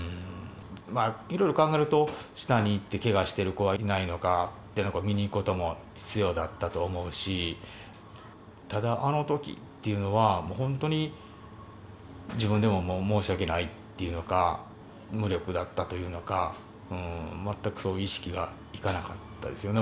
いろいろ考えると、下に行ってけがしてる子はいないのか、見に行くことも必要だったと思うし、ただ、あのときっていうのは、もう本当に自分でも、もう申し訳ないっていうのか、無力だったというのか、全く意識がいかなかったですよね。